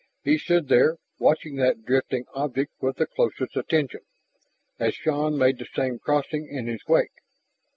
He stood there, watching that drifting object with the closest attention, as Shann made the same crossing in his wake.